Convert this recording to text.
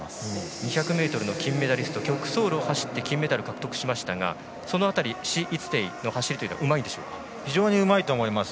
２００ｍの金メダリスト曲走路を走って金メダルを獲得しましたがその辺り、史逸ていの走りは非常にうまいと思います。